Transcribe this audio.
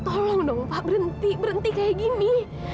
pak pak tolong dong pak berhenti berhenti kayak gini